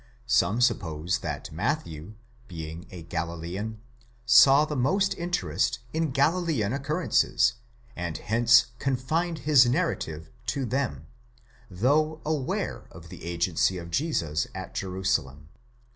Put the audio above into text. Some suppose that Matthew, being a Galilean, saw the most interest in Galilean occurrences, and hence confined his narrative to them, though aware of the agency of Jesus at Jerusalem.